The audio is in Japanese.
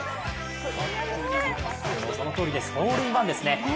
そのとおりですホールインワンですね。